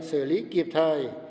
xử lý kịp thời